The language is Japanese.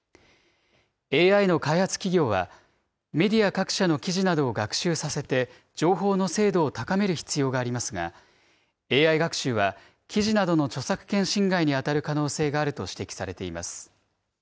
ＡＩの開発企業は、メディア各社の記事などを学習させて情報の精度を高める必要がありますが、ＡＩ学習は、記事などの著作権侵害に当たる可能性があると指摘されています。